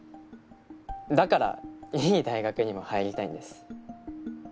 だからいい大学にも入りたいんです。